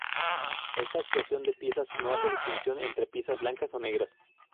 Esta "explosión" de piezas no hace distinción entre piezas blancas o negras.